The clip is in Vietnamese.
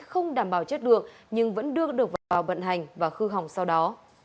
không đảm bảo chất được nhưng vẫn đưa được vào vận hành và hư hỏng sau đó